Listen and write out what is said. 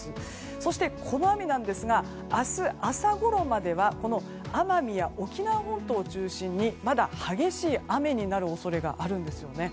そして、この雨なんですが明日朝ごろまでは奄美や沖縄本島を中心にまだ激しい雨になる恐れがあるんですよね。